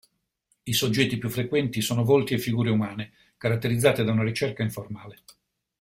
I soggetti più frequenti sono volti e figure umane caratterizzate da una ricerca informale.